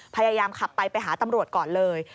พยายามขับไปไปหาตำรวจก่อนเลย